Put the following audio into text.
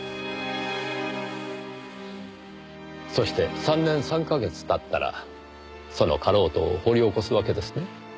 そして３年３か月経ったらそのかろうとを掘り起こすわけですね？